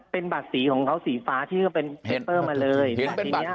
เป็นบัตรสีของเขาสีฟ้าที่ก็เป็นมาเลยเห็นเป็นบัตร